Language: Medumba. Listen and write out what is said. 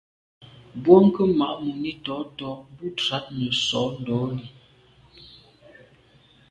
Bwɔ́ŋkə́ʼ mǎʼ mùní tɔ̌ tɔ́ bú trǎt nə̀ sǒ ndǒlî.